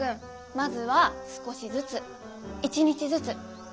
まずは少しずつ１日ずつねっ。